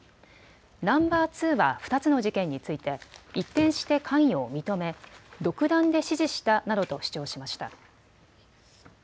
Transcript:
ナンバー２は２つの事件について一転して関与を認め独断で指示したなどと主張しました。